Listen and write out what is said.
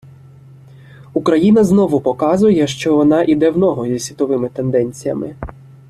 Україна знову показує, що вона іде в ногу зі світовими тенденціями.